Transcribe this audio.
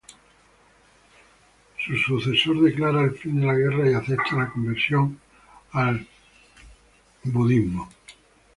Su sucesor declara el fin de la guerra y acepta la conversión al cristianismo.